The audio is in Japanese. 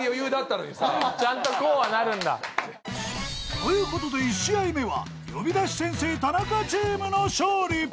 ［ということで１試合目は呼び出し先生タナカチームの勝利］